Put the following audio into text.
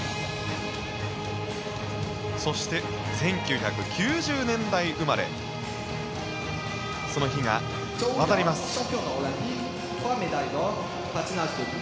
そして、１９９０年代生まれにその火が渡ります。